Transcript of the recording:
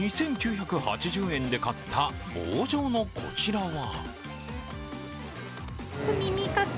２９８０円で買った棒状のこちらは？